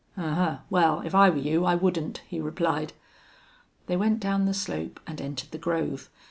"Ahuh! Well, if I were you I wouldn't," he replied. They went down the slope and entered the grove.